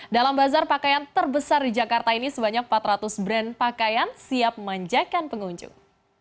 dalam bazar pakaian terbesar di jakarta ini sebanyak empat ratus brand pakaian siap memanjakan pengunjung